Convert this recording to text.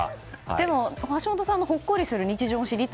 でも橋下さんのほっこりする日常